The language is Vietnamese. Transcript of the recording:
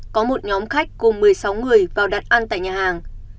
có một nhóm khách cùng một mươi sáu người vào đặt ăn tại nhà hàng